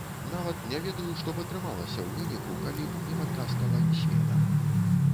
Нават не ведаю, што б атрымалася ў выніку, калі б не падказка лайнсмена.